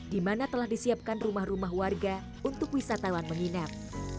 dimana telah disiapkan rumah rumah warga untuk wisatawan menginap